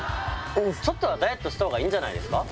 ちょっとはダイエットしたほうがいいんじゃないですか？